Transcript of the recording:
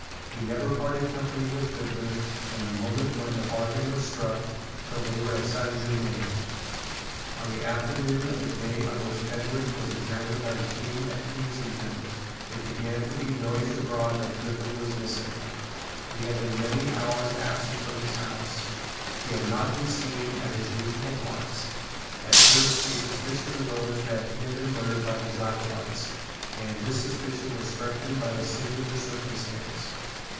He never parted company with Goodman from the moment when the bargain was struck till they were at Saint Germains. On the afternoon of the day on which Fenwick was examined by the King at Kensington it began to be noised abroad that Goodman was missing. He had been many hours absent from his house. He had not been seen at his usual haunts. At first a suspicion arose that he had been murdered by the Jacobites; and this suspicion was strengthened by a singular circumstance.